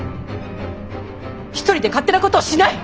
一人で勝手なことをしない！